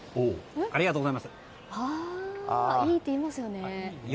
ありがとうございます。